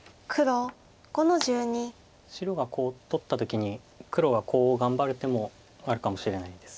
白がコウを取った時に黒はコウを頑張る手もあるかもしれないです。